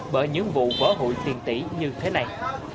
bởi những vụ vỡ hụi tiền tỷ như thế này